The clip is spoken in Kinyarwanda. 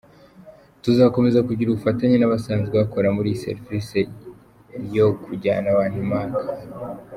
Tuzakomeza kugira ubufatanye n’abasanzwe bakora muri iyi serivisi yo kujyana abantu i Maka.